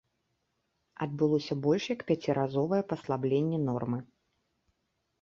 Адбылося больш як пяціразовае паслабленне нормы.